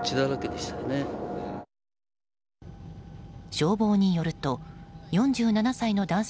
消防によると４７歳の男性